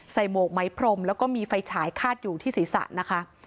หมวกไม้พรมแล้วก็มีไฟฉายคาดอยู่ที่ศีรษะนะคะ